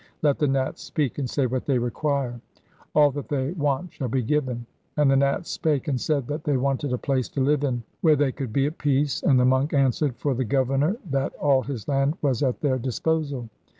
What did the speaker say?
Let the Nats speak and say what they require. All that they want shall be given.' And the Nats spake and said that they wanted a place to live in where they could be at peace, and the monk answered for the governor that all his land was at their disposal.